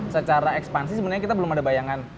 secara ekspansi sebenarnya kita belum ada bayangan